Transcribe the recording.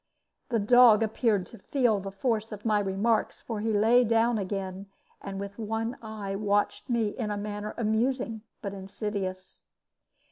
The dog appeared to feel the force of my remarks, for he lay down again, and with one eye watched me in a manner amusing, but insidious.